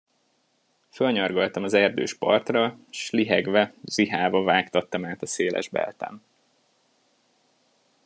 Fölnyargaltam az erdős partra, s lihegve, zihálva vágtattam át a széles Belten.